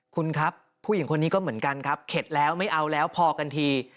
คุณครับผู้หญิงคนนี้ก็เหมือนกันครับเข็ดแล้วไม่เอาแล้วพอกันที